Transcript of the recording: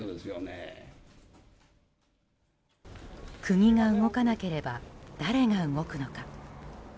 国が動かなければ誰が動くのか。